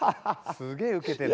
すげえウケてるな。